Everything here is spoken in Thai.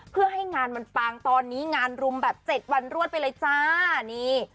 เพื่อให้งานมันปางตอนนี้งานรุมแบบเจ็ดวันรวดไปเลยจ้านี่